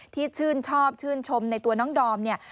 ที่ชื่นชอบชื่นชมในตัวน้องดอมเนี่ย